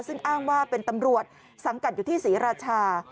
ซึ่งอ้างว่าเป็นตำรวจสังกัดอยู่ที่ศรีราชา